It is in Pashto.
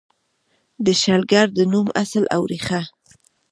د شلګر د نوم اصل او ریښه: